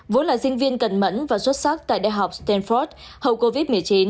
vốn là sinh viên cẩn mẫn và xuất sắc tại đại học stanford hầu covid một mươi chín